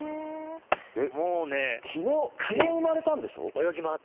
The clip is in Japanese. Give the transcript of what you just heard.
もうね、きのう生まれたんでしょ？